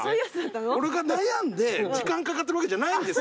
俺が悩んで時間かかってるわけじゃないんですよ！